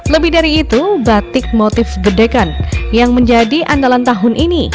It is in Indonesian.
lebih dari itu batik motif gedekan yang menjadi andalan tahun ini